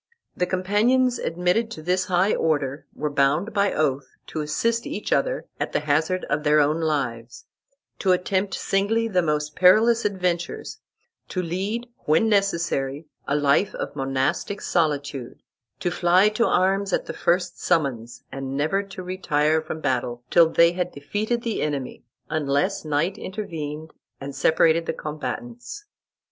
The companions admitted to this high order were bound by oath to assist each other at the hazard of their own lives, to attempt singly the most perilous adventures, to lead, when necessary, a life of monastic solitude, to fly to arms at the first summons, and never to retire from battle till they had defeated the enemy, unless night intervened and separated the combatants.